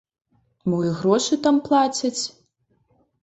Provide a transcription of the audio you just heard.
Мо і грошы там плацяць?